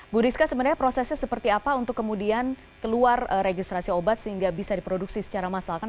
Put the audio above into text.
bu rizka sebenarnya prosesnya seperti apa untuk kemudian keluar registrasi obat sehingga bisa diproduksi secara massalkan